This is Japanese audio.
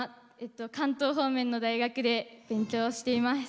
関東方面の大学で勉強しています。